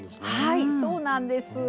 はいそうなんです。